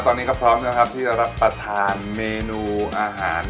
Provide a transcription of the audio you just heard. ตอนนี้ก็พร้อมที่ธรรพทานเมนูอาหาร